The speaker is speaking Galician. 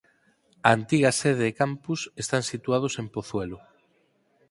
A antiga sede e campus están situados en Pozuelo.